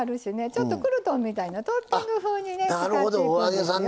ちょっとクルトンみたいなトッピングふうにね使っていくんですよ。